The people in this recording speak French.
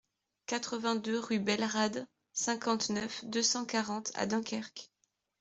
quatre-vingt-deux rue Belle Rade, cinquante-neuf, deux cent quarante à Dunkerque